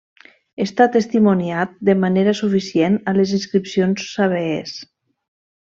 Està testimoniat de manera suficient a les inscripcions sabees.